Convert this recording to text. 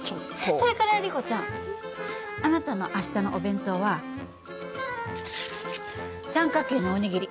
それからリコちゃんあなたの明日のお弁当は三角形のお握り。